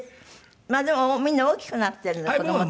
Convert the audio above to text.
まあでもみんな大きくなっているんで子供たちはね。